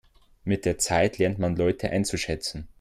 Mit der Zeit lernt man Leute einzuschätzen.